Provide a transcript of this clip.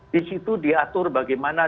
di situ diatur bagaimana